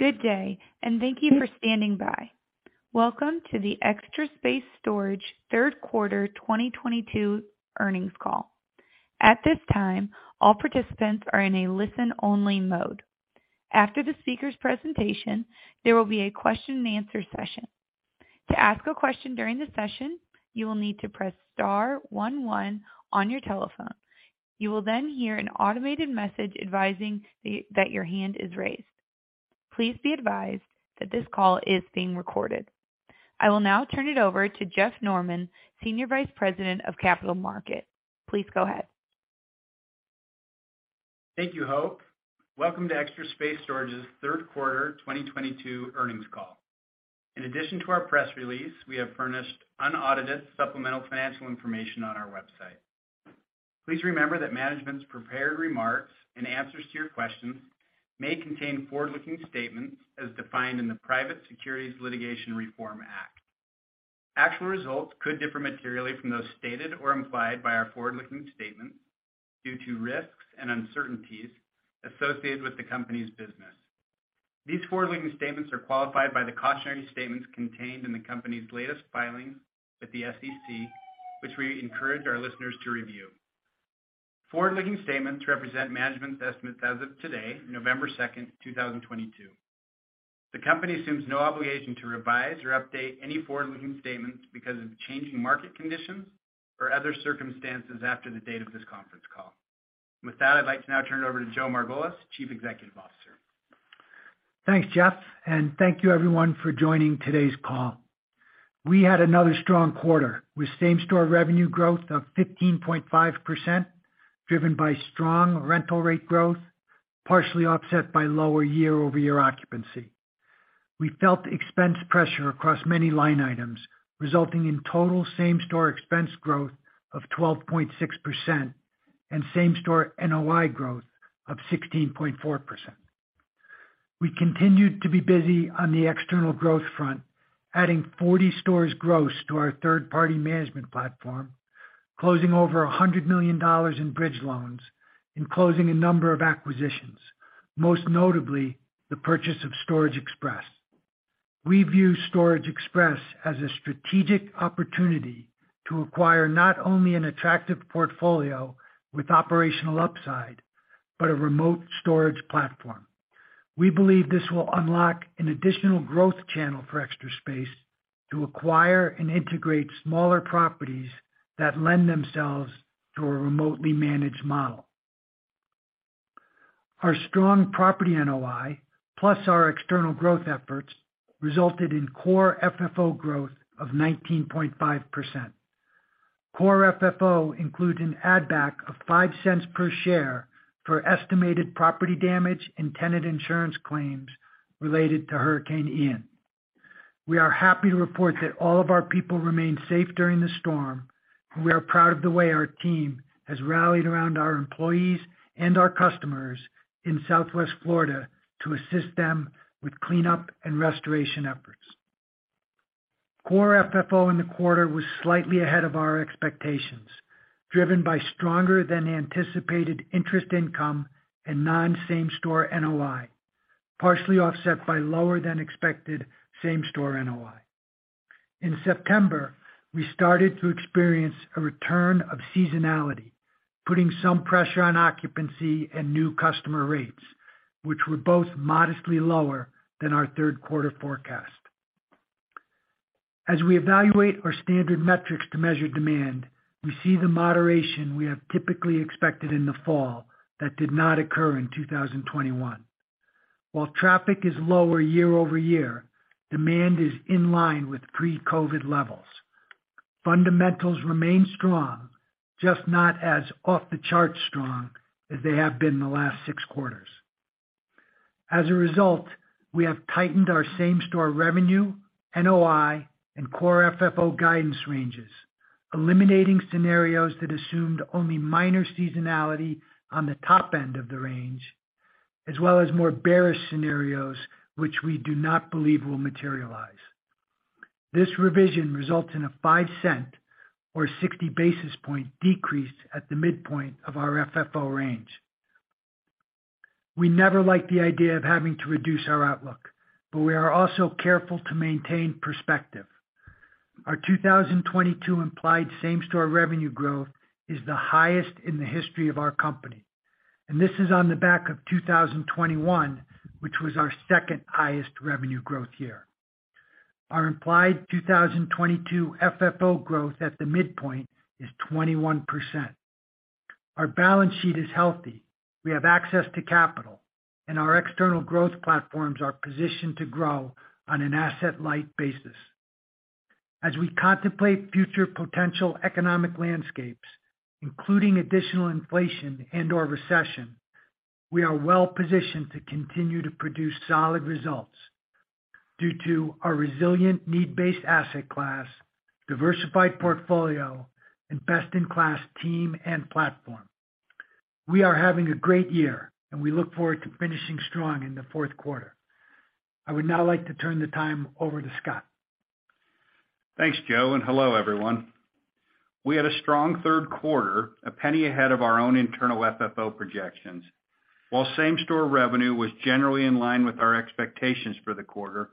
Good day, and thank you for standing by. Welcome to the Extra Space Storage Third Quarter 2022 Earnings Call. At this time, all participants are in a listen-only mode. After the speaker's presentation, there will be a question-and-answer session. To ask a question during the session, you will need to press star one one on your telephone. You will then hear an automated message advising that your hand is raised. Please be advised that this call is being recorded. I will now turn it over to Jeff Norman, Senior Vice President of Capital Markets. Please go ahead. Thank you, Hope. Welcome to Extra Space Storage's Third Quarter 2022 Earnings Call. In addition to our press release, we have furnished unaudited supplemental financial information on our website. Please remember that management's prepared remarks and answers to your questions may contain forward-looking statements as defined in the Private Securities Litigation Reform Act. Actual results could differ materially from those stated or implied by our forward-looking statements due to risks and uncertainties associated with the company's business. These forward-looking statements are qualified by the cautionary statements contained in the company's latest filings with the SEC, which we encourage our listeners to review. Forward-looking statements represent management estimates as of today, November 2, 2022. The company assumes no obligation to revise or update any forward-looking statements because of changing market conditions or other circumstances after the date of this conference call. With that, I'd like to now turn it over to Joe Margolis, Chief Executive Officer. Thanks, Jeff, and thank you everyone for joining today's call. We had another strong quarter with same-store revenue growth of 15.5%, driven by strong rental rate growth, partially offset by lower year-over-year occupancy. We felt expense pressure across many line items, resulting in total same-store expense growth of 12.6% and same-store NOI growth of 16.4%. We continued to be busy on the external growth front, adding 40 stores gross to our third-party management platform, closing over $100 million in bridge loans and closing a number of acquisitions, most notably the purchase of Storage Express. We view Storage Express as a strategic opportunity to acquire not only an attractive portfolio with operational upside, but a remote storage platform. We believe this will unlock an additional growth channel for Extra Space to acquire and integrate smaller properties that lend themselves to a remotely managed model. Our strong property NOI, plus our external growth efforts, resulted in core FFO growth of 19.5%. Core FFO includes an add-back of $0.05 per share for estimated property damage and tenant insurance claims related to Hurricane Ian. We are happy to report that all of our people remained safe during the storm, and we are proud of the way our team has rallied around our employees and our customers in Southwest Florida to assist them with cleanup and restoration efforts. Core FFO in the quarter was slightly ahead of our expectations, driven by stronger-than-anticipated interest income and non-same-store NOI, partially offset by lower-than-expected same-store NOI. In September, we started to experience a return of seasonality, putting some pressure on occupancy and new customer rates, which were both modestly lower than our third-quarter forecast. As we evaluate our standard metrics to measure demand, we see the moderation we have typically expected in the fall that did not occur in 2021. While traffic is lower year-over-year, demand is in line with pre-COVID levels. Fundamentals remain strong, just not as off-the-charts strong as they have been in the last six quarters. As a result, we have tightened our same-store revenue, NOI and core FFO guidance ranges, eliminating scenarios that assumed only minor seasonality on the top end of the range, as well as more bearish scenarios which we do not believe will materialize. This revision results in a $0.05 or 60 basis points decrease at the midpoint of our FFO range. We never like the idea of having to reduce our outlook, but we are also careful to maintain perspective. Our 2022 implied same-store revenue growth is the highest in the history of our company, and this is on the back of 2021, which was our second-highest revenue growth year. Our implied 2022 FFO growth at the midpoint is 21%. Our balance sheet is healthy. We have access to capital, and our external growth platforms are positioned to grow on an asset-light basis. As we contemplate future potential economic landscapes, including additional inflation and/or recession, we are well-positioned to continue to produce solid results due to our resilient need-based asset class, diversified portfolio and best-in-class team and platform. We are having a great year and we look forward to finishing strong in the fourth quarter. I would now like to turn the time over to Scott. Thanks, Joe, and hello everyone. We had a strong third quarter, a penny ahead of our own internal FFO projections. While same-store revenue was generally in line with our expectations for the quarter,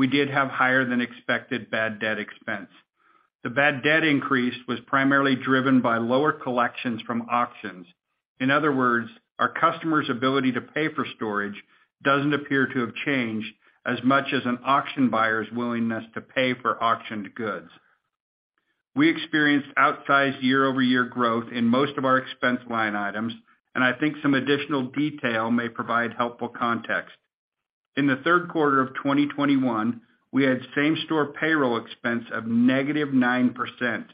we did have higher-than-expected bad debt expense. The bad debt increase was primarily driven by lower collections from auctions. In other words, our customers' ability to pay for storage doesn't appear to have changed as much as an auction buyer's willingness to pay for auctioned goods. We experienced outsized year-over-year growth in most of our expense line items, and I think some additional detail may provide helpful context. In the third quarter of 2021, we had same-store payroll expense of -9%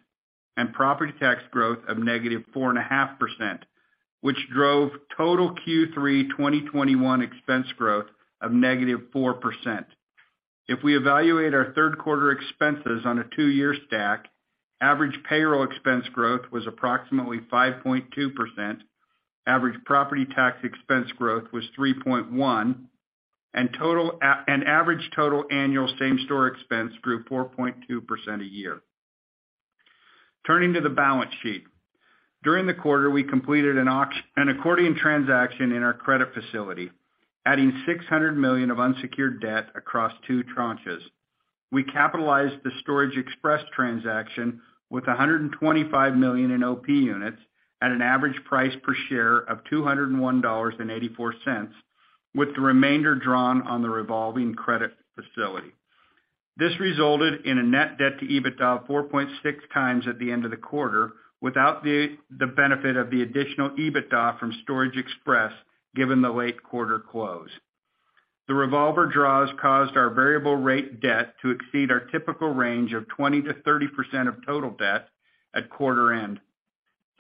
and property tax growth of -4.5%, which drove total Q3 2021 expense growth of -4%. If we evaluate our third-quarter expenses on a two-year stack, average payroll expense growth was approximately 5.2%, average property tax expense growth was 3.1%, and average total annual same-store expense grew 4.2% a year. Turning to the balance sheet. During the quarter, we completed an accordion transaction in our credit facility, adding $600 million of unsecured debt across two tranches. We capitalized the Storage Express transaction with $125 million in OP units at an average price per share of $201.84, with the remainder drawn on the revolving credit facility. This resulted in a net debt to EBITDA of 4.6x at the end of the quarter, without the benefit of the additional EBITDA from Storage Express, given the late quarter close. The revolver draws caused our variable rate debt to exceed our typical range of 20%-30% of total debt at quarter end.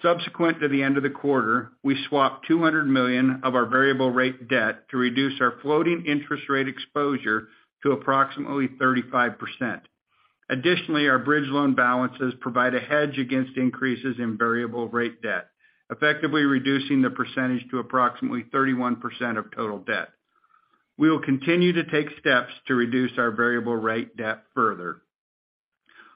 Subsequent to the end of the quarter, we swapped $200 million of our variable rate debt to reduce our floating interest rate exposure to approximately 35%. Additionally, our bridge loan balances provide a hedge against increases in variable-rate debt, effectively reducing the percentage to approximately 31% of total debt. We will continue to take steps to reduce our variable rate debt further.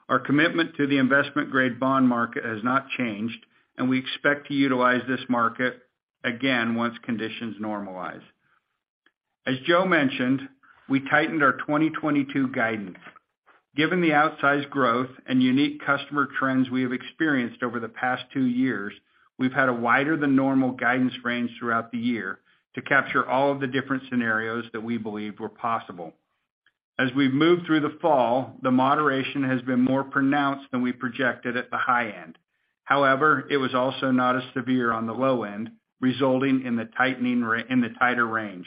Our commitment to the investment-grade bond market has not changed, and we expect to utilize this market again once conditions normalize. As Joe mentioned, we tightened our 2022 guidance. Given the outsized growth and unique customer trends we have experienced over the past two years, we've had a wider-than-normal guidance range throughout the year to capture all of the different scenarios that we believed were possible. As we've moved through the fall, the moderation has been more pronounced than we projected at the high end. However, it was also not as severe on the low end, resulting in the tighter range.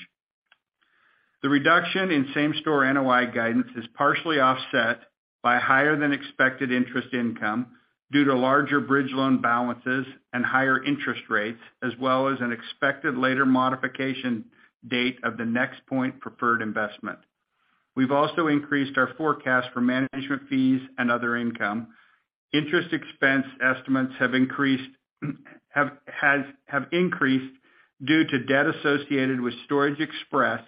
The reduction in same-store NOI guidance is partially offset by higher-than-expected interest income due to larger bridge loan balances and higher interest rates, as well as an expected later modification date of the NexPoint preferred investment. We've also increased our forecast for management fees and other income. Interest expense estimates have increased due to debt associated with Storage Express,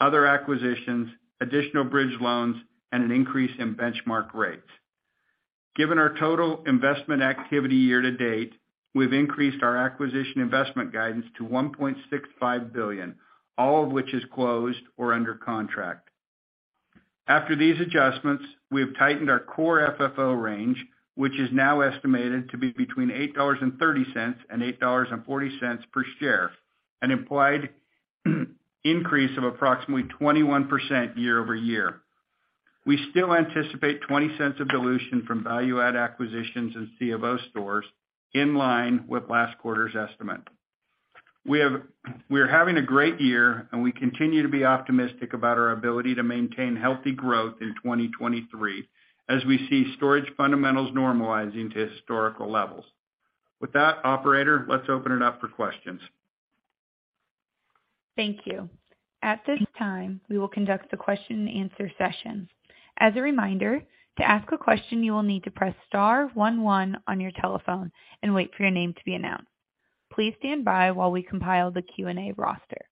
other acquisitions, additional bridge loans, and an increase in benchmark rates. Given our total investment activity year to date, we've increased our acquisition investment guidance to $1.65 billion, all of which is closed or under contract. After these adjustments, we have tightened our core FFO range, which is now estimated to be between $8.30 and $8.40 per share, an implied increase of approximately 21% year-over-year. We still anticipate $0.20 of dilution from value-add acquisitions and C of O stores in line with last quarter's estimate. We are having a great year, and we continue to be optimistic about our ability to maintain healthy growth in 2023 as we see storage fundamentals normalizing to historical levels. With that, operator, let's open it up for questions. Thank you. At this time, we will conduct the question-and-answer session. As a reminder, to ask a question, you will need to press star one one on your telephone and wait for your name to be announced. Please stand by while we compile the Q&A roster.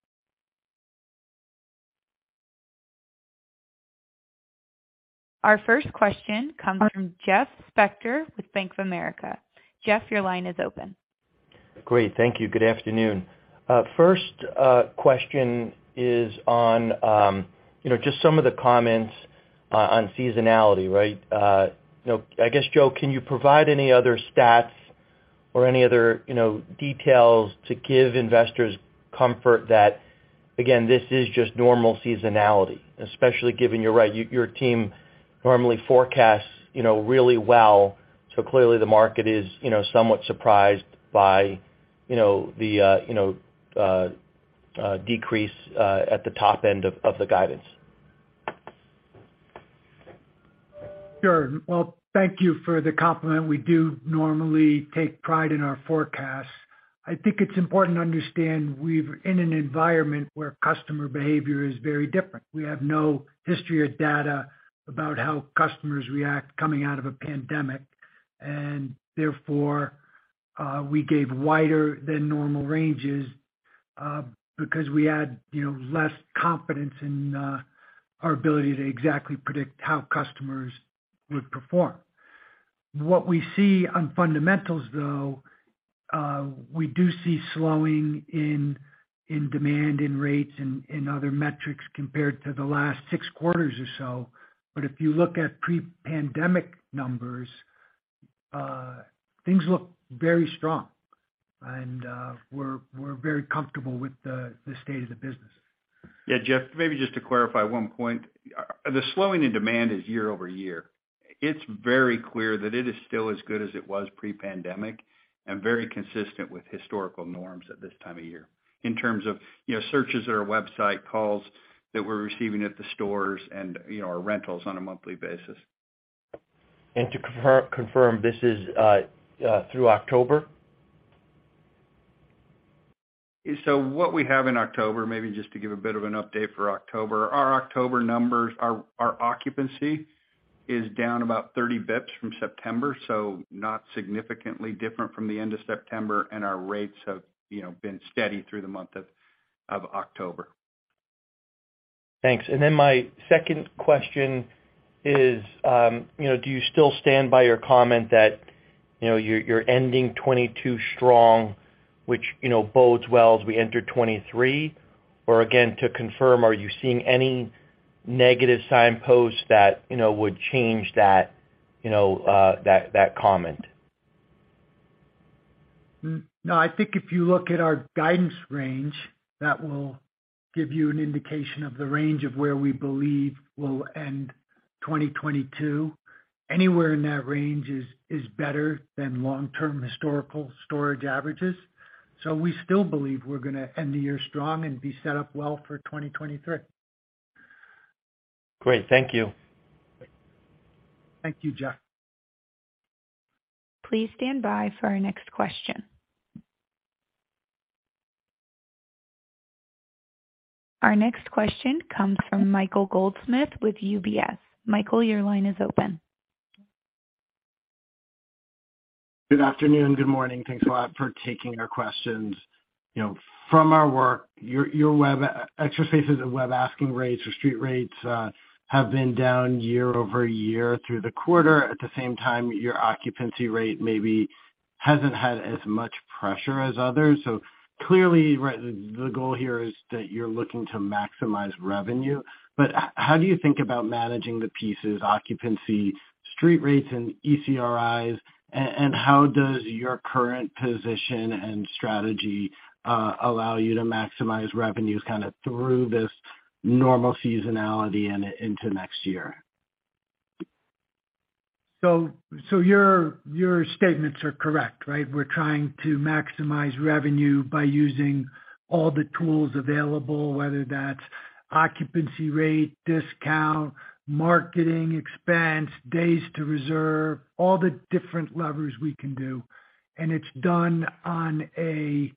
Our first question comes from Jeff Spector with Bank of America. Jeff, your line is open. Great. Thank you. Good afternoon. First question is on just some of the comments on seasonality, right? Joe, can you provide any other stats or any other details to give investors comfort that, again, this is just normal seasonality, especially given you're right, your team normally forecasts really well. Clearly, the market is somewhat surprised by the decrease at the top end of the guidance. Sure. Well, thank you for the compliment. We do normally take pride in our forecasts. I think it's important to understand in an environment where customer behavior is very different. We have no history or data about how customers react coming out of a pandemic, and therefore, we gave wider than normal ranges. Because we had less confidence in our ability to exactly predict how customers would perform. What we see on fundamentals, though, we do see slowing in demand, in rates and other metrics compared to the last six quarters or so. If you look at pre-pandemic numbers, things look very strong and we're very comfortable with the state of the business. Jeff, maybe just to clarify one point. The slowing in demand is year-over-year. It's very clear that it is still as good as it was pre-pandemic and very consistent with historical norms at this time of year in terms of, you know, searches on our website, calls that we're receiving at the stores and, you know, our rentals on a monthly basis. To confirm, this is through October? What we have in October, maybe just to give a bit of an update for October, our October numbers, our occupancy is down about 30 basis points from September, so not significantly different from the end of September. Our rates have been steady through the month of October. Thanks. My second question is do you still stand by your comment that you're ending 2022 strong, which bodes well as we enter 2023? Or again, to confirm, are you seeing any negative signposts that, you know, would change that comment? No, I think if you look at our guidance range, that will give you an indication of the range of where we believe we'll end 2022. Anywhere in that range is better than long-term historical storage averages. We still believe we're gonna end the year strong and be set up well for 2023. Great. Thank you. Thank you, Jeff. Please stand by for our next question. Our next question comes from Michael Goldsmith with UBS. Michael, your line is open. Good afternoon, good morning. Thanks a lot for taking our questions. From our work, your website asking rates or street rates have been down year-over-year through the quarter. At the same time, your occupancy rate maybe hasn't had as much pressure as others. Clearly, the goal here is that you're looking to maximize revenue. How do you think about managing the pieces, occupancy, street rates, and ECRIs? And how does your current position and strategy allow you to maximize revenues through this normal seasonality and into next year? Your statements are correct, right? We're trying to maximize revenue by using all the tools available, whether that's occupancy rate, discount, marketing expense, days to reserve, all the different levers we can do. It's done on a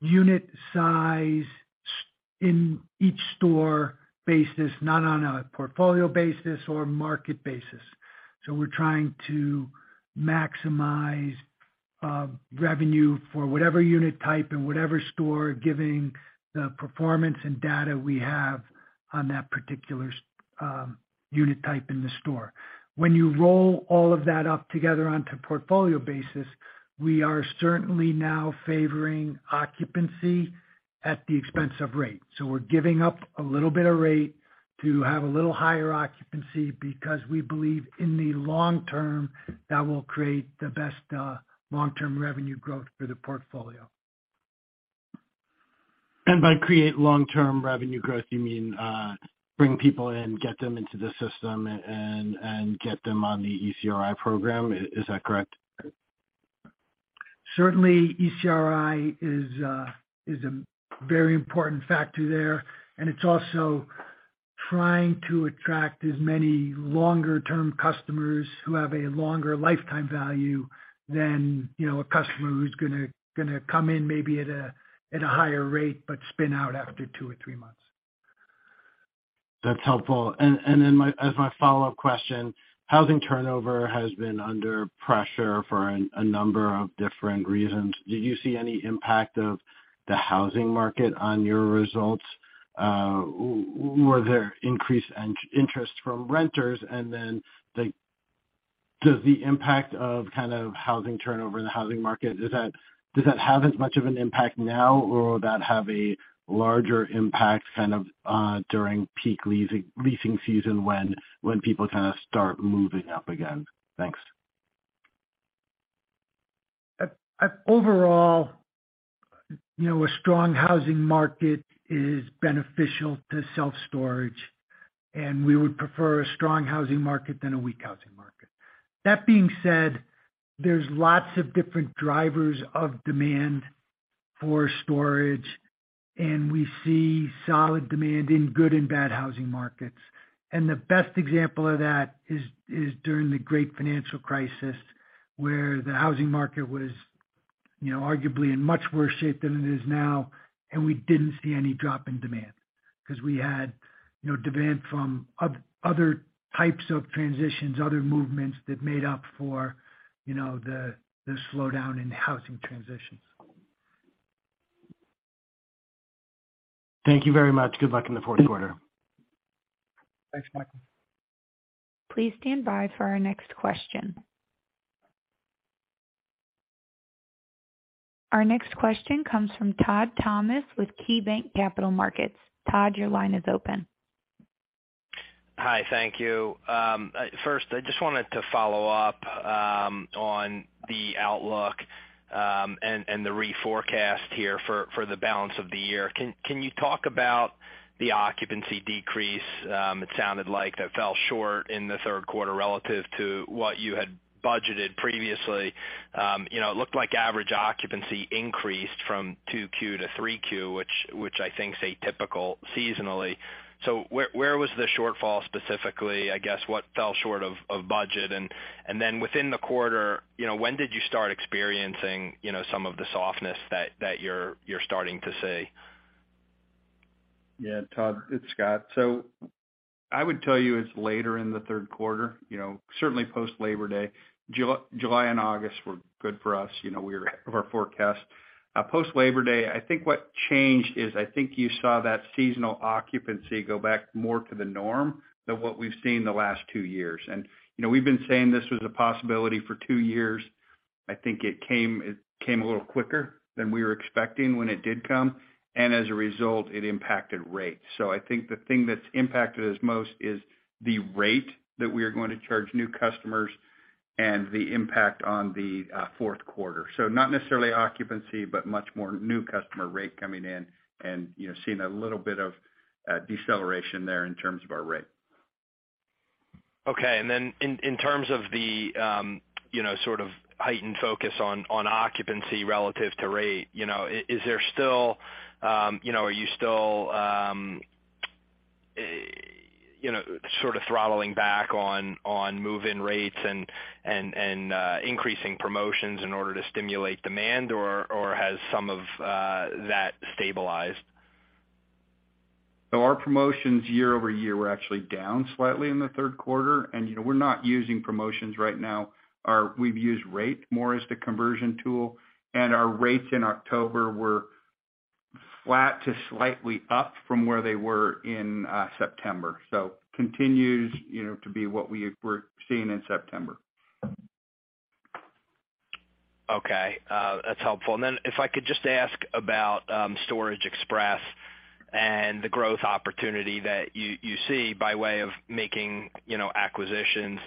unit size in each store basis, not on a portfolio basis or market basis. We're trying to maximize revenue for whatever unit type in whatever store, giving the performance and data we have on that particular unit type in the store. When you roll all of that up together onto a portfolio basis, we are certainly now favoring occupancy at the expense of rate. We're giving up a little bit of rate to have a little higher occupancy because we believe in the long term that will create the best long-term revenue growth for the portfolio. By creating long-term revenue growth, you mean, bring people in, get them into the system, and get them on the ECRI program. Is that correct? Certainly, ECRI is a very important factor there, and it's also trying to attract as many longer-term customers who have a longer lifetime value than a customer who's gonna come in maybe at a higher rate, but spin out after two or three months. That's helpful. As my follow-up question, housing turnover has been under pressure for a number of different reasons. Do you see any impact of the housing market on your results? Were there increased interest from renters? Does the impact of kind of housing turnover in the housing market, does that have as much of an impact now, or will that have a larger impact kind of during peak leasing season when people start moving up again? Thanks. Overall,a strong housing market is beneficial to self-storage, and we would prefer a strong housing market than a weak housing market. That being said, there's lots of different drivers of demand for storage, and we see solid demand in good and bad housing markets. The best example of that is during the great financial crisis, where the housing market was arguably in much worse shape than it is now, and we didn't see any drop in demand, 'cause we had, you know, demand from other types of transitions, other movements that made up for, you know, the slowdown in housing transitions. Thank you very much. Good luck in the fourth quarter. Thanks, Michael. Please stand by for our next question. Our next question comes from Todd Thomas with KeyBanc Capital Markets. Todd, your line is open. Hi. Thank you. First, I just wanted to follow up on the outlook and the reforecast here for the balance of the year. Can you talk about the occupancy decrease? It sounded like it fell short in the third quarter relative to what you had budgeted previously. It looked like average occupancy increased from 2Q-3Q, which I think stays typical seasonally. Where was the shortfall specifically? What fell short of budget? Then within the quarter, when did you start experiencing some of the softness that you're starting to see? Todd, it's Scott. I would tell you it's later in the third quarter, you know, certainly post Labor Day. July and August were good for us, you know, we were ahead of our forecast. Post-Labor Day, I think what changed is I think you saw that seasonal occupancy go back more to the norm than what we've seen the last two years. We've been saying this was a possibility for two years. I think it came a little quicker than we were expecting when it did come, and as a result, it impacted rates. I think the thing that's impacted us most is the rate that we are going to charge new customers and the impact on the fourth quarter. Not necessarily occupancy, but much more new customer rate coming in and seeing a little bit of deceleration there in terms of our rate. Okay. In terms of the heightened focus on occupancy relative to rate is there still, are you still throttling back on move-in rates and increasing promotions in order to stimulate demand or has some of that stabilized? Our promotions year over year were actually down slightly in the third quarter. You know, we're not using promotions right now. We've used rate more as the conversion tool, and our rates in October were flat to slightly up from where they were in September. Continues, you know, to be what we were seeing in September. Okay. That's helpful. Then if I could just ask about Storage Express and the growth opportunity that you see by way of making acquisitions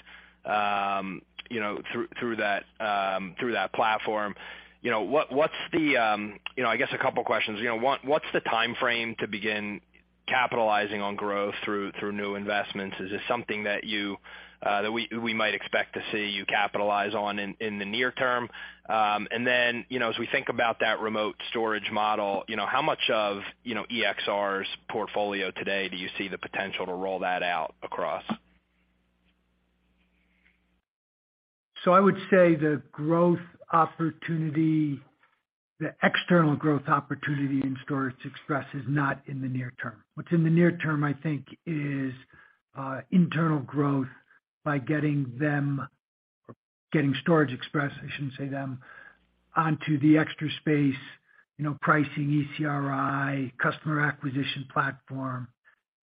through that platform. You know, what's the timeframe to begin capitalizing on growth through new investments? Is this something that we might expect to see you capitalize on in the near term? Then, you know, as we think about that remote storage model, you know, how much of EXR's portfolio today do you see the potential to roll that out across? I would say the growth opportunity, the external growth opportunity in Storage Express is not in the near term. What's in the near term, I think, is internal growth by getting them or getting Storage Express, I shouldn't say them, onto the Extra Space pricing ECRI customer acquisition platform,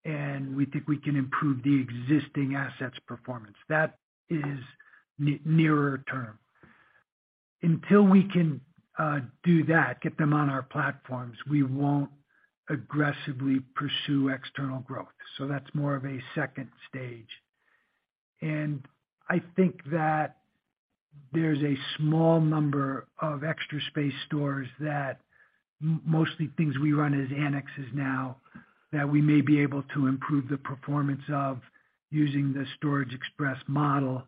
and we think we can improve the existing assets performance. That is nearer term. Until we can do that, get them on our platforms, we won't aggressively pursue external growth. That's more of a second stage. I think that there's a small number of Extra Space stores that mostly things we run as annexes now that we may be able to improve the performance of using the Storage Express model.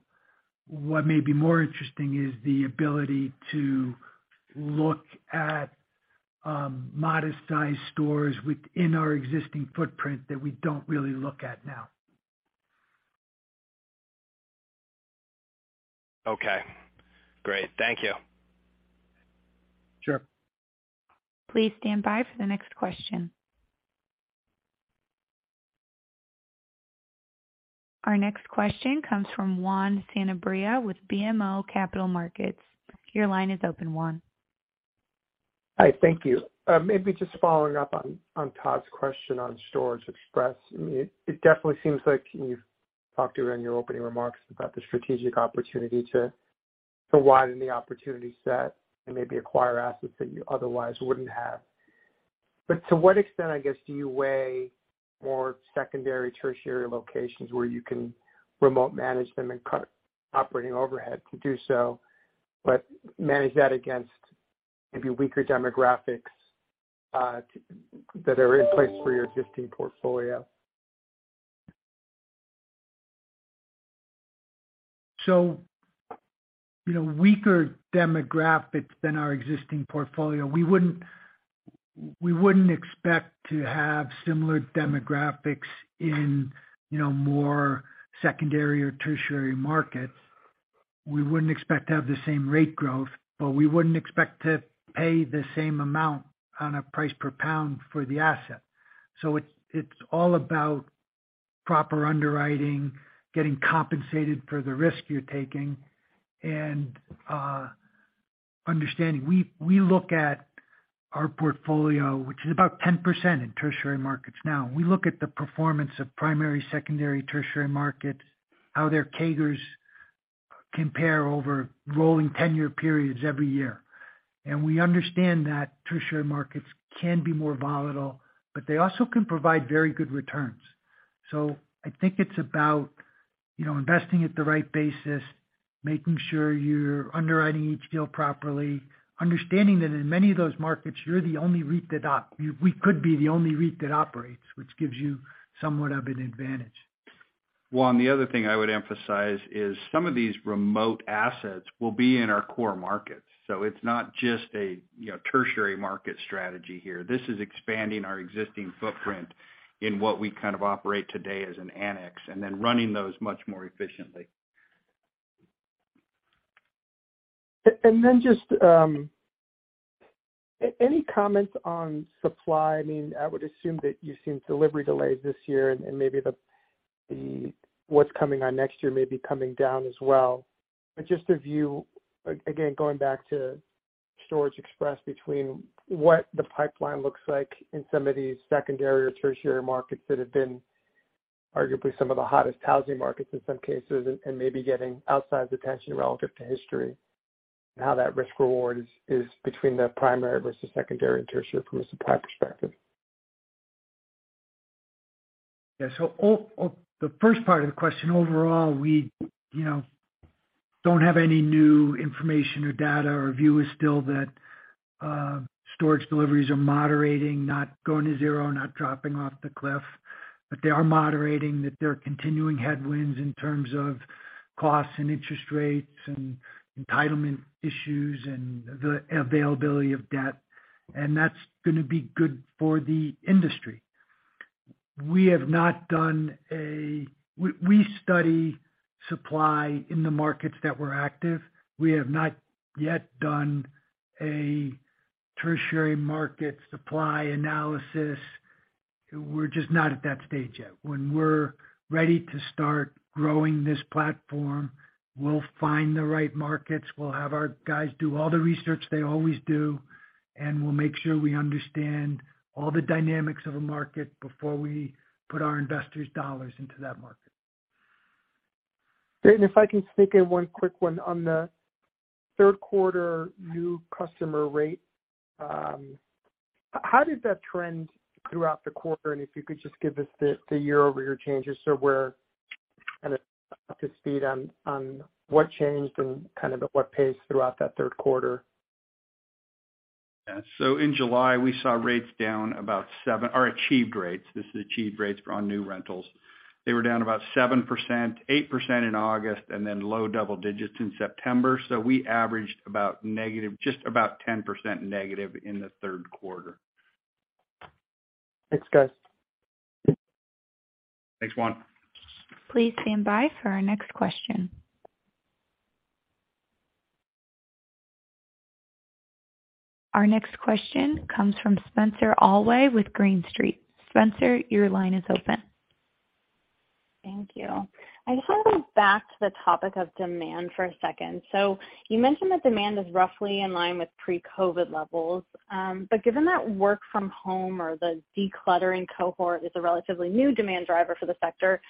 What may be more interesting is the ability to look at, modest-sized stores within our existing footprint that we don't really look at now. Okay, great. Thank you. Sure. Please stand by for the next question. Our next question comes from Juan Sanabria with BMO Capital Markets. Your line is open, Juan. Hi, thank you. Maybe just following up on Todd's question on Storage Express. It definitely seems like you've talked around your opening remarks about the strategic opportunity to widen the opportunity set and maybe acquire assets that you otherwise wouldn't have. To what extent, I guess, do you weigh more secondary, tertiary locations where you can remotely manage them and cut operating overhead to do so, but manage that against maybe weaker demographics that are in place for your existing portfolio? You know, weaker demographics than our existing portfolio. We wouldn't expect to have similar demographics in, you know, more secondary or tertiary markets. We wouldn't expect to have the same rate growth, but we wouldn't expect to pay the same amount on a price per pound for the asset. It's all about proper underwriting, getting compensated for the risk you're taking and understanding. We look at our portfolio, which is about 10% in tertiary markets now. We look at the performance of primary, secondary, tertiary markets, how their CAGRs compare over rolling 10-year periods every year. We understand that tertiary markets can be more volatile, but they also can provide very good returns. I think it's about, you know, investing at the right basis, making sure you're underwriting each deal properly, understanding that in many of those markets, we could be the only REIT that operates, which gives you somewhat of an advantage. Juan, the other thing I would emphasize is some of these remote assets will be in our core markets. It's not just a, you know, tertiary market strategy here. This is expanding our existing footprint in what we kind of operate today as an annex, and then running those much more efficiently. Just any comments on supply? I mean, I would assume that you've seen delivery delays this year and maybe what's coming on next year may be coming down as well. Just a view, again, going back to Storage Express between what the pipeline looks like in some of these secondary or tertiary markets that have been arguably some of the hottest housing markets in some cases, and maybe getting outsized attention relative to history and how that risk reward is between the primary versus secondary and tertiary from a supply perspective. The first part of the question, overall, we, you know, don't have any new information or data. Our view is still that storage deliveries are moderating, not going to zero, not dropping off the cliff. They are moderating, that there are continuing headwinds in terms of costs and interest rates and entitlement issues and the availability of debt, and that's gonna be good for the industry. We study supply in the markets that we're active. We have not yet done a tertiary market supply analysis. We're just not at that stage yet. When we're ready to start growing this platform, we'll find the right markets. We'll have our guys do all the research they always do, and we'll make sure we understand all the dynamics of a market before we put our investors' dollars into that market. Great. If I can sneak in one quick one on the third quarter new customer rate. How did that trend throughout the quarter? If you could just give us the year-over-year changes so we're kind of up to speed on what changed and kind of at what pace throughout that third quarter. In July, we saw rates down about 7. Our achieved rates. This is achieved rates on new rentals. They were down about 7%, 8% in August, and then low double digits in September. We averaged about negative, just about 10% negative in the third quarter. Thanks, guys. Thanks, Juan. Please stand by for our next question. Our next question comes from Spenser Allaway with Green Street. Spenser, your line is open. Thank you. I just wanna go back to the topic of demand for a second. You mentioned that demand is roughly in line with pre-COVID levels. Given that work from home or the decluttering cohort is a relatively new demand driver for the sector,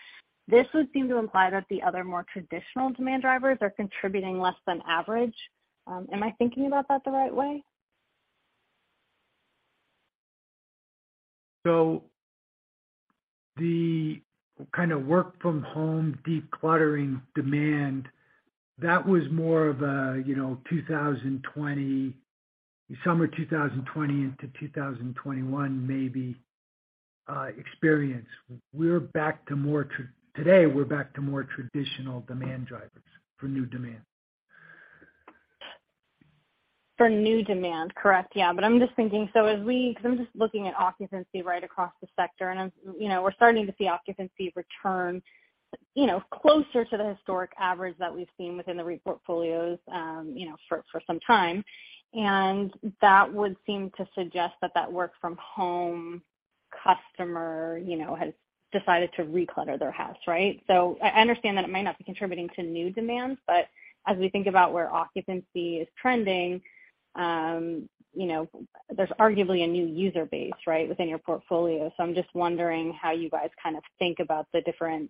this would seem to imply that the other more traditional demand drivers are contributing less than average. Am I thinking about that the right way? The kind of work from home decluttering demand, that was more of a 2020, summer 2020 into 2021, maybe, experience. Today, we're back to more traditional demand drivers for new demand. For new demand, correct. Yeah. But I'm just thinking, 'cause I'm just looking at occupancy right across the sector. You know, we're starting to see occupancy return, you know, closer to the historic average that we've seen within the REIT portfolios, you know, for some time. That would seem to suggest that the work from home customer, you know, has decided to reclutter their house, right? I understand that it might not be contributing to new demands, but as we think about where occupancy is trending, you know, there's arguably a new user base, right, within your portfolio. I'm just wondering how you guys kind of think about the different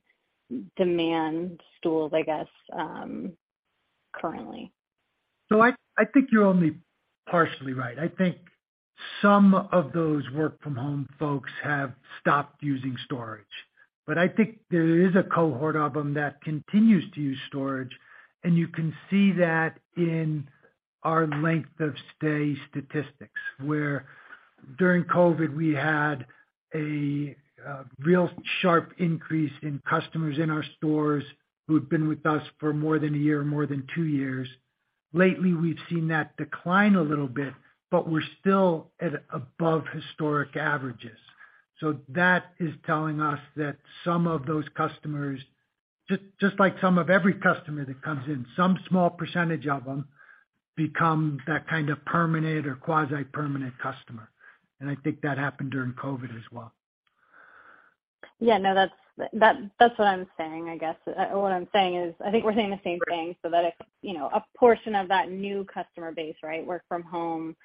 demand stools, I guess, currently. I think you're only partially right. I think some of those work from home folks have stopped using storage. I think there is a cohort of them that continues to use storage, and you can see that in our length of stay statistics. During COVID, we had a real sharp increase in customers in our stores who had been with us for more than a year or more than two years. Lately, we've seen that decline a little bit, but we're still at above historic averages. That is telling us that some of those customers, just like some of every customer that comes in, some small percentage of them become that kind of permanent or quasi-permanent customer. I think that happened during COVID as well. Yeah, no, that's what I'm saying, I guess. What I'm saying is, I think we're saying the same thing, so that if, you know, a portion of that new customer base, right, work from home,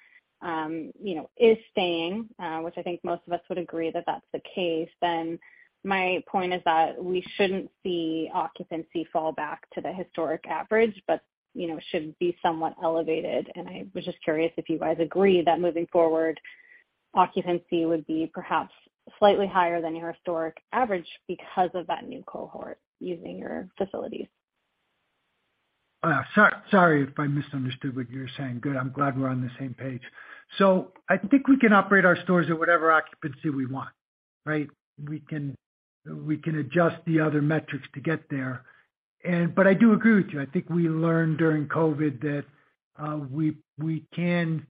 you know, is staying, which I think most of us would agree that that's the case, then my point is that we shouldn't see occupancy fall back to the historic average, but, you know, should be somewhat elevated. I was just curious if you guys agree that moving forward, occupancy would be perhaps slightly higher than your historic average because of that new cohort using your facilities. Sorry if I misunderstood what you're saying. Good, I'm glad we're on the same page. I think we can operate our stores at whatever occupancy we want, right? We can adjust the other metrics to get there. But I do agree with you. I think we learned during COVID that we can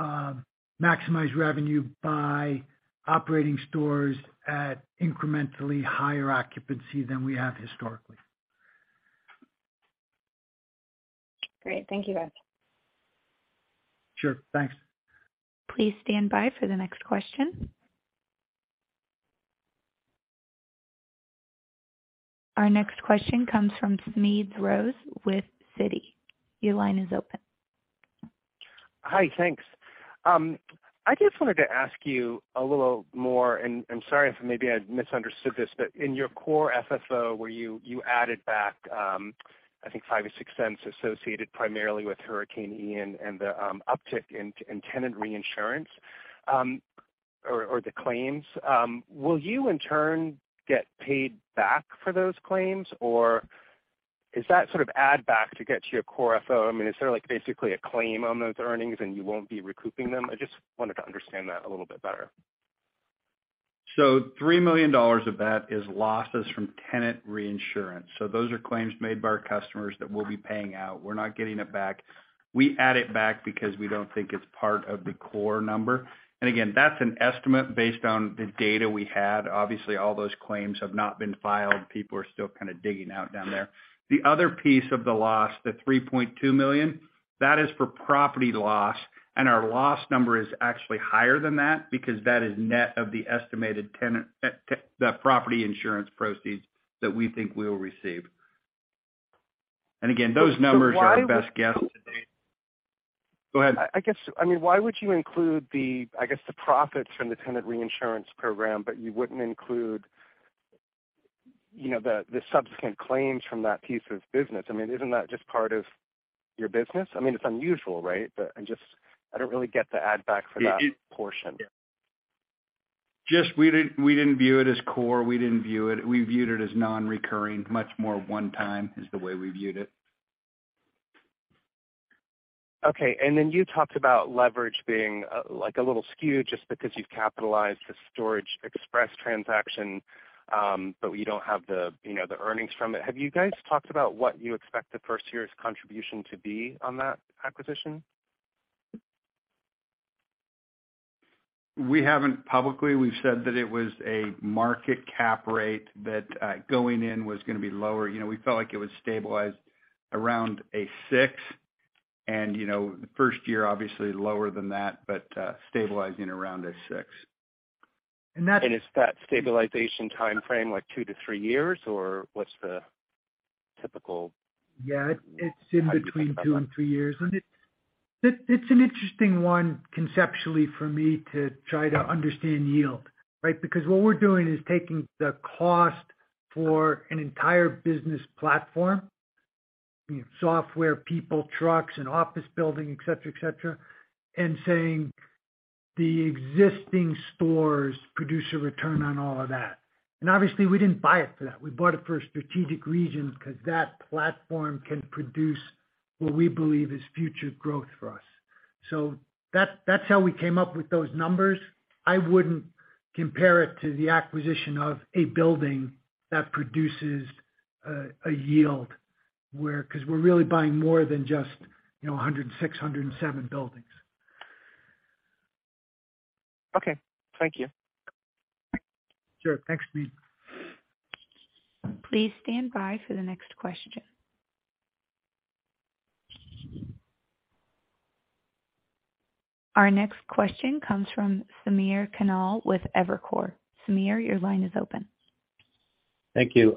maximize revenue by operating stores at incrementally higher occupancy than we have historically. Great. Thank you, guys. Sure. Thanks. Please stand by for the next question. Our next question comes from Smedes Rose with Citi. Your line is open. Hi. Thanks. I just wanted to ask you a little more, and I'm sorry if maybe I misunderstood this, but in your core FFO, where you added back, I think $0.05 or $0.06 associated primarily with Hurricane Ian and the uptick in tenant insurance, or the claims, will you in turn get paid back for those claims? Or is that sort of add back to get to your core FFO? I mean, is there like basically a claim on those earnings and you won't be recouping them? I just wanted to understand that a little bit better. $3 million of that is losses from tenant reinsurance. Those are claims made by our customers that we'll be paying out. We're not getting it back. We add it back because we don't think it's part of the core number. Again, that's an estimate based on the data we had. Obviously, all those claims have not been filed. People are still kind of digging out down there. The other piece of the loss, the $3.2 million, that is for property loss, and our loss number is actually higher than that because that is net of the estimated tenant, the property insurance proceeds that we think we will receive. Again, those numbers are the best guess to date. Why would you include the profits from the tenant reinsurance program, but you wouldn't include the subsequent claims from that piece of business? Isn't that just part of your business? It's unusual, right? I'm just, I don't really get the add back for that portion. We didn't view it as core. We viewed it as non-recurring, much more one-time, is the way we viewed it. Okay. Then you talked about leverage being like a little skewed just because you've capitalized the Storage Express transaction, but you don't have the earnings from it. Have you guys talked about what you expect the first year's contribution to be on that acquisition? We haven't publicly. We've said that it was a market cap rate that, going in, was gonna be lower. We felt like it was stabilized around a 6%. The first year, obviously lower than that, but stabilizing around a 6%. Is that stabilization timeframe like 2-3 years, or what's the typical? It's in between 2 and 3 years. It's an interesting one, conceptually for me to try to understand yield, right? Because what we're doing is taking the cost for an entire business platform, software, people, trucks, and office building, et cetera and saying the existing stores produce a return on all of that. Obviously, we didn't buy it for that. We bought it for strategic reasons because that platform can produce what we believe is future growth for us. That's how we came up with those numbers. I wouldn't compare it to the acquisition of a building that produces a yield, 'cause we're really buying more than just 106, 107 buildings. Okay. Thank you. Sure. Thanks, Smedes. Please stand by for the next question. Our next question comes from Samir Khanal with Evercore. Samir, your line is open. Thank you.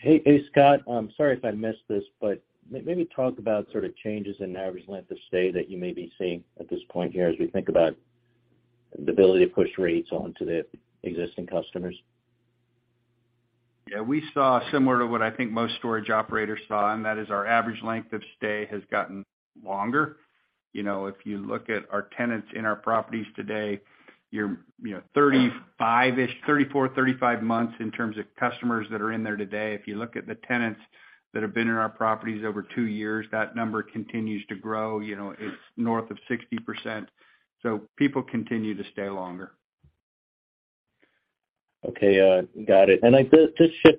Hey, Scott. I'm sorry if I missed this, but maybe talk about sort of changes in average length of stay that you may be seeing at this point here as we think about the ability to push rates onto the existing customers. We saw similar to what I think most storage operators saw, and that is our average length of stay has gotten longer. If you look at our tenants in our properties today, you're 35-ish, 34, 35 months in terms of customers that are in there today. If you look at the tenants that have been in our properties over 2 years, that number continues to grow. It's north of 60%. People continue to stay longer. Okay, got it. Just,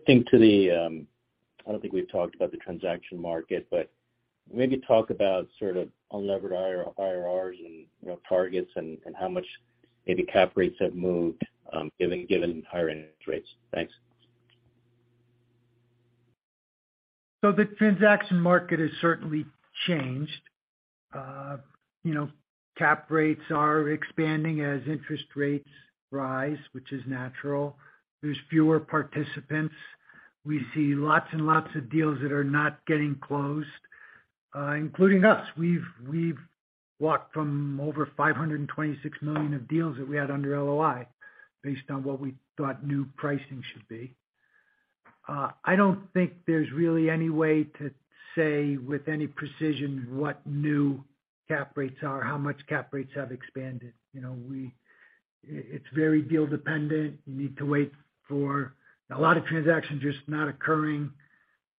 I don't think we've talked about the transaction market, but maybe talk about sort of unlevered IRRs and targets and how much maybe cap rates have moved, given higher interest rates. Thanks. The transaction market has certainly changed. Cap rates are expanding as interest rates rise, which is natural. There are fewer participants. We see lots and lots of deals that are not getting closed, including us. We've walked from over $526 million of deals that we had under LOI based on what we thought new pricing should be. I don't think there's really any way to say with any precision what new cap rates are, how much cap rates have expanded. It's very deal-dependent. You need to wait for a lot of transactions just not occurring.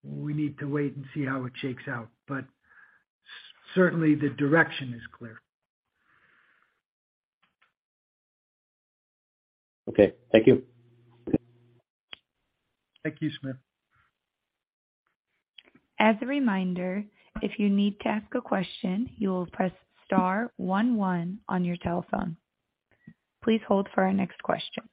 We need to wait and see how it shakes out. Certainly, the direction is clear. Okay, thank you. Thank you, Samir. As a reminder, if you need to ask a question, you will press star one one on your telephone. Please hold for our next question.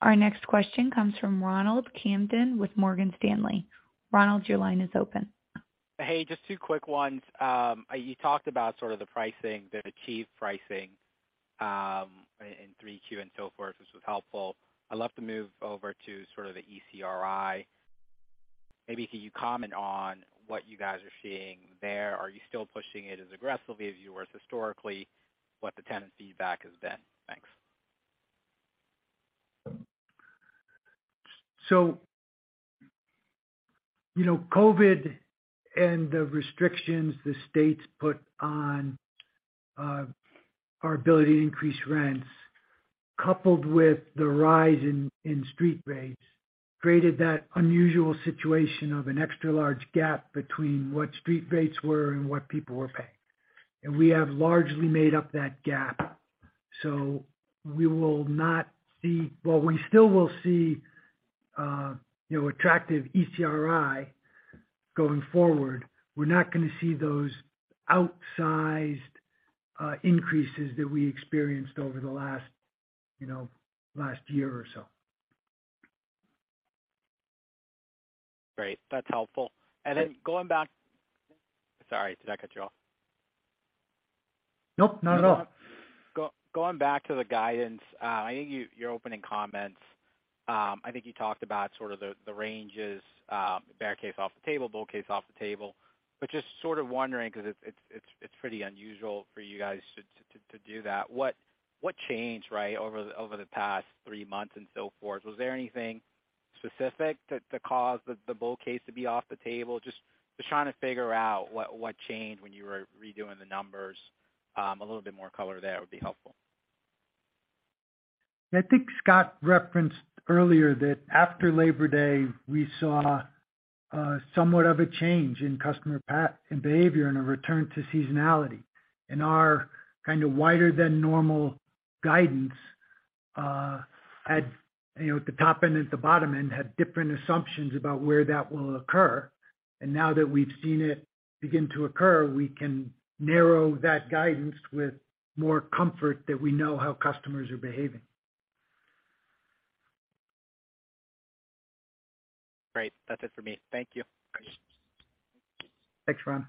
Our next question comes from Ronald Kamdem with Morgan Stanley. Ronald, your line is open. Hey, just two quick ones. You talked about the pricing, the achieved pricing, in 3Q and so forth, which was helpful. I'd love to move over to sort of the ECRI. Maybe can you comment on what you guys are seeing there? Are you still pushing it as aggressively as you were historically? What the tenant feedback has been? Thanks. COVID and the restrictions the states put on our ability to increase rents, coupled with the rise in street rates, created that unusual situation of an extra-large gap between what street rates were and what people were paying. We have largely made up that gap. Well, we still will see an attractive ECRI going forward. We're not gonna see those outsized increases that we experienced over the last year or so. Great. That's helpful. Sorry, did I cut you off? Nope, not at all. Going back to the guidance, I think your opening comments, I think you talked about the ranges, bear case off the table, bull case off the table. Just sort of wondering because it's pretty unusual for you guys to do that. What changed, right, over the past three months and so forth? Was there anything specific that caused the bull case to be off the table? Just trying to figure out what changed when you were redoing the numbers. A little bit more color there would be helpful. I think Scott referenced earlier that after Labor Day, we saw somewhat of a change in customer behavior and a return to seasonality. Our wider than normal guidance had at the top end and at the bottom end, different assumptions about where that will occur. Now that we've seen it begin to occur, we can narrow that guidance with more comfort that we know how customers are behaving. Great. That's it for me. Thank you. Thanks, Ron.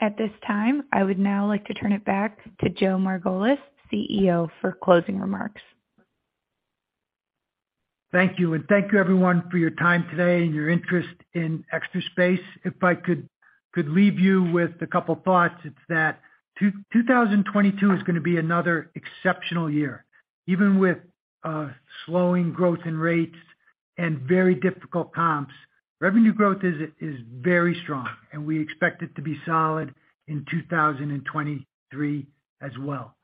At this time, I would now like to turn it back to Joe Margolis, CEO, for closing remarks. Thank you. Thank you everyone for your time today and your interest in Extra Space. If I could leave you with a couple thoughts, it's that 2022 is gonna be another exceptional year. Even with slowing growth in rates and very difficult comps, revenue growth is very strong, and we expect it to be solid in 2023 as well.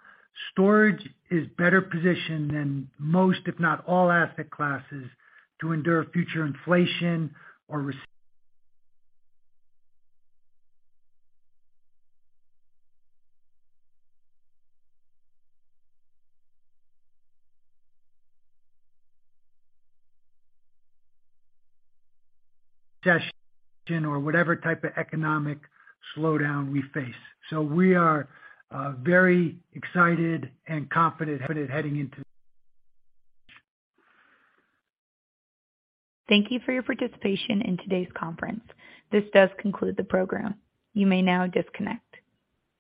Storage is better positioned than most, if not all, asset classes to endure future inflation or whatever type of economic slowdown we face. We are very excited and confident heading into. Thank you for your participation in today's conference. This does conclude the program. You may now disconnect.